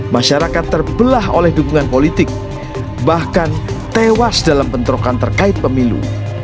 masyarakat terbelah oleh dukungan politik bahkan tewas dalam bentrokan terkait pemilu